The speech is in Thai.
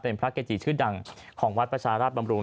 เป็นพระเกจิชื่อดังของวัดประชาราชบำรุง